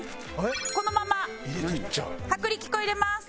このまま薄力粉入れます。